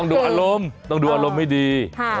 ดูอารมณ์ต้องดูอารมณ์ให้ดี